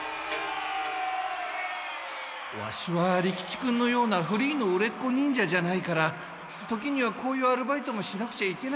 ワシは利吉君のようなフリーの売れっ子忍者じゃないから時にはこういうアルバイトもしなくちゃいけないんだ。